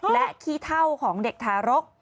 และขี้เท่าของเด็กทารก